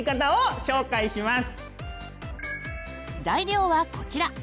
材料はこちら。